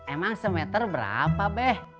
emang se meter berapa beh